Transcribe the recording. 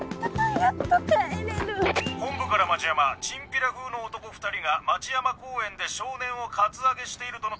やっと帰れる。本部から町山チンピラ風の男２人が町山公園で少年をカツアゲしているとの通報あり。